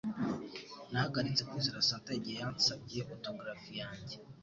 Nahagaritse kwizera Santa igihe yansabye autografi yanjye